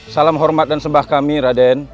salam hormat dan sebah kami raden